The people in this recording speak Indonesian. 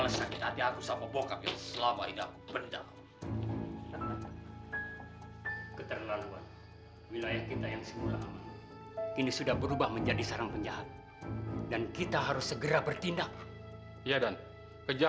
sampai jumpa di video selanjutnya